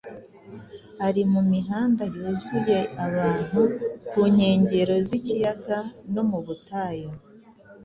Ari mu mihanda yuzuye abantu, ku nkengero z’ikiyaga no mu butayu,